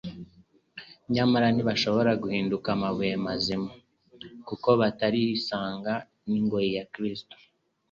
nyamara ntibashobora guhinduka amabuye mazima kuko batari isanGa n'ingoyi na Kristo.